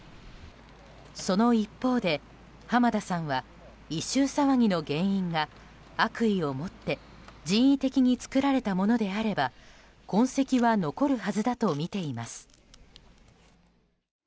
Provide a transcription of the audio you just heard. その一方で、濱田さんは異臭騒ぎの原因が悪意を持って人為的に作られたものであれば痕跡は残るはずだとみています。